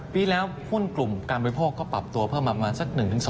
ปีแล้วหุ้นกลุ่มการบริโภคก็ปรับตัวเพิ่มมาประมาณสัก๑๒